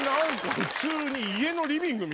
普通に。